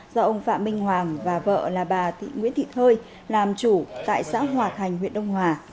do ông phạm minh hoàng và vợ là bà nguyễn thị thơi làm chủ tại xã hòa thành huyện đông hòa